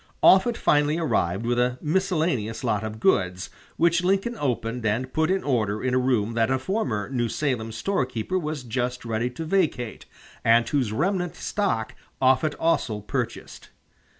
Offutt finally arrived with a miscellaneous lot of goods, which Lincoln opened and put in order in a room that a former New Salem storekeeper was just ready to vacate, and whose remnant stock Offutt also purchased.